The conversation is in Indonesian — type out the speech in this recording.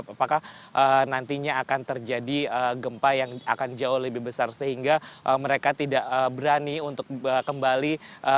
apakah nantinya akan terjadi gempa yang akan jauh lebih besar sehingga mereka tidak berani untuk kembali